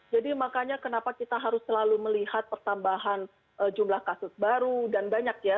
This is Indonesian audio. jadi makanya kenapa kita harus selalu melihat pertambahan jumlah kasus baru dan banyak ya